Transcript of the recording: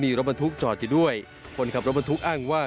มีรถบรรทุกจอดอยู่ด้วยคนขับรถบรรทุกอ้างว่า